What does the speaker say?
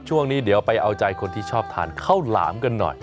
ช่วงนี้เดี๋ยวไปเอาใจคนที่ชอบทานข้าวหลามกันหน่อย